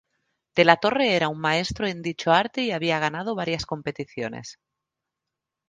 De la Torre era un maestro en dicho arte y había ganado varias competiciones.